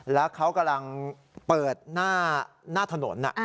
แล้วเขากำลังเปิดหน้าถนน